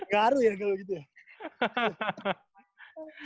nggak aru ya kalo gitu ya